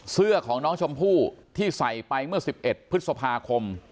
เสื้อของน้องชมพู่ที่ใส่ไปเมื่อ๑๑พฤษภาคม